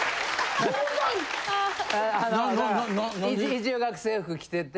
一応学生服着てて。